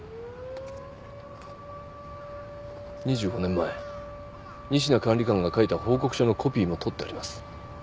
２５年前仁科管理官が書いた報告書のコピーも取ってあります